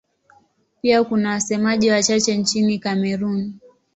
Pia kuna wasemaji wachache nchini Kamerun.